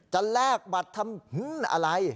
แลกบัตรทำอะไร